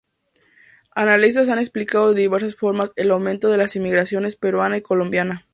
Analistas han explicado de diversas formas el aumento de las inmigraciones peruana y colombiana.